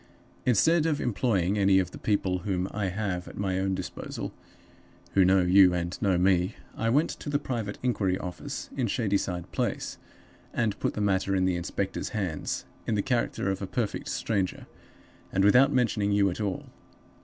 Instead of employing any of the people whom I have at my own disposal (who know you and know me), I went to the Private Inquiry Office in Shadyside Place, and put the matter in the inspector's hands, in the character of a perfect stranger, and without mentioning you at all.